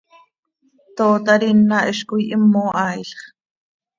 ¡Tootar ina hizcoi himo haailx!